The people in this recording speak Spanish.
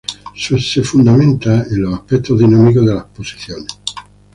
Se fundamenta en los aspectos dinámicos de las posiciones.